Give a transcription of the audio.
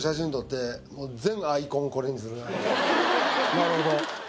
なるほど。